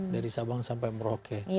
dari sabang sampai merauke